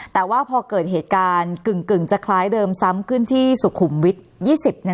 แต่ว่าพอเกิดเหตุการณ์กึ่งจะคล้ายเดิมซ้ำขึ้นที่สุขุมวิทย์๒๐